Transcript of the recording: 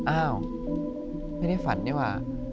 อ้าวไม่ได้ฝันนี่ว่า